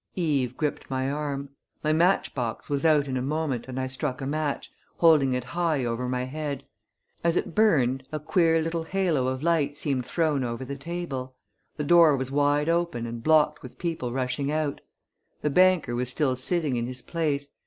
Eve gripped my arm. My matchbox was out in a moment and I struck a match, holding it high over my head. As it burned a queer little halo of light seemed thrown over the table. The door was wide open and blocked with people rushing out. The banker was still sitting in his place.